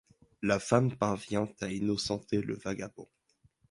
La femme parvient à innocenter le vagabond.